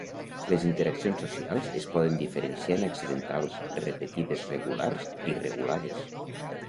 Les interaccions socials es poden diferenciar en accidentals, repetides, regulars i regulades.